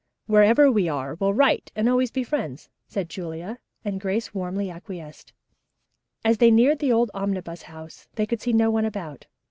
"Wherever we are we'll write and always be friends," said Julia, and Grace warmly acquiesced. As they neared the old Omnibus House they could see no one about.